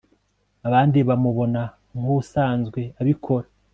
abandi bamubona nkusanzwe abikora